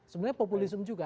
sebenarnya populisme juga